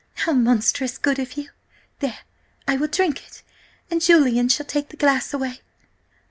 How monstrous good of you! There, I will drink it, and Julian shall take the glass away